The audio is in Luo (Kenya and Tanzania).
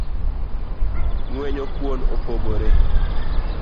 Ng’wenyo kuon opogore